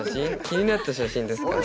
気になった写真ですか？